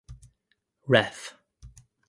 Ref.